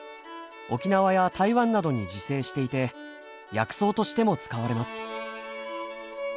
沖縄や台湾などに自生していて薬草としても使われます。